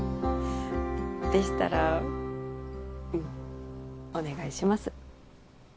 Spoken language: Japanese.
でしたらうんお願いします